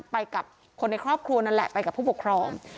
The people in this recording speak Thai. ไปกับคนในครอบครัวนั่นแหละไปกับผู้ปกครอง